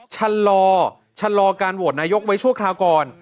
ชะลอชะลอการโหวตนายกไว้ชั่วคราวก่อน